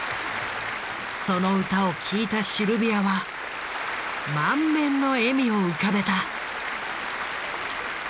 その歌を聴いたシルビアは満面の笑みを浮かべた。